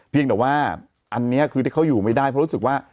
เพียงแต่ว่าอันนี้คือที่เขาอยู่ไม่ได้เพราะรู้สึกว่า